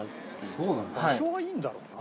「場所はいいんだろうな」